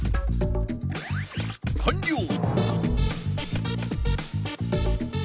かんりょう！